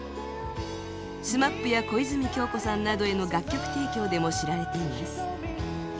ＳＭＡＰや小泉今日子さんなどへの楽曲提供でも知られています。